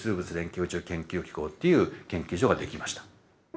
宇宙研究機構っていう研究所ができました。